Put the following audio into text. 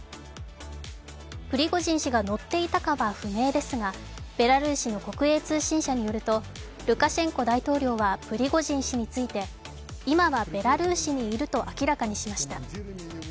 プリゴジン氏が乗っていたかは不明ですが、ベラルーシの国営通信社によるとルカシェンコ大統領はプリゴジン氏について今はベラルーシにいると明らかにしました。